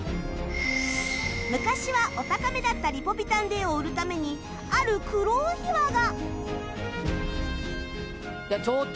昔はお高めだったリポビタン Ｄ を売るためにある苦労秘話が